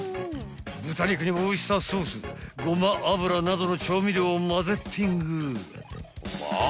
豚肉にオイスターソースごま油などの調味料をまぜッティング］